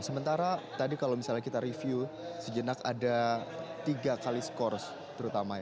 sementara tadi kalau misalnya kita review sejenak ada tiga kali skors terutama ya